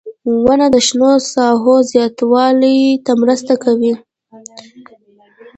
• ونه د شنو ساحو زیاتوالي ته مرسته کوي.